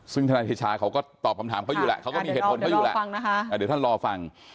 ซึ่งธนายเดชาเขาก็ตอบคำถามเขาอยู่แหละเขาก็มีเหตุผลเขาอยู่แหละเดี๋ยวท่านรอฟัง